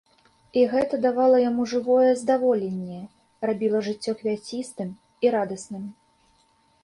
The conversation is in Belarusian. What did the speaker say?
І гэта давала яму жывое здаволенне, рабіла жыццё квяцістым і радасным.